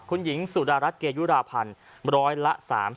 คุณหญิงสุดารัฐเกยุราพันธ์ร้อยละ๓๐